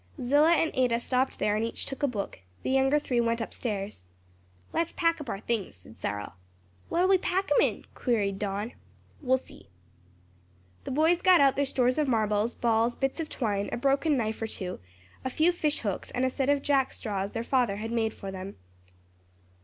Zillah and Ada stopped there and each took a book; the younger three went up stairs. "Let's pack up our things," said Cyril. "What'll we pack 'em in?" queried Don. "We'll see." The boys got out their stores of marbles, balls, bits of twine, a broken knife or two, a few fish hooks and a set of Jackstraws their father had made for them.